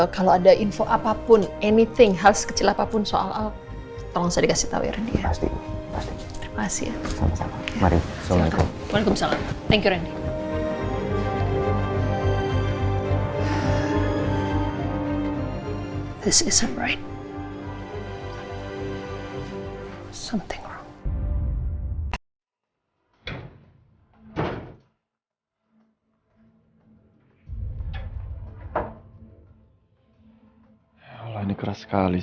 kalau ada info apapun hal sekecil apapun soal al